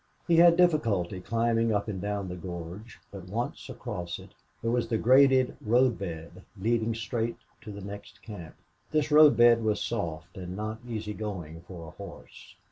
He had difficulty climbing down and up the gorge, but, once across it, there was the graded road bed, leading straight to the next camp. This road bed was soft, and not easy going for a horse.